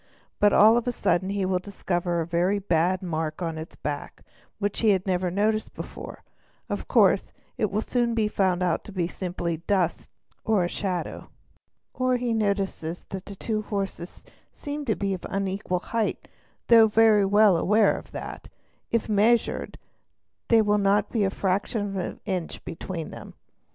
But all of a sudden he will discover a very bad mark on its back which he has never noticed before; of course, it will soon be found out to be simply a dust mark or shadow: or he notices that the two horses seem to be of unequal height; though very well aware that, if measured, there will not be a fraction of an inch between them.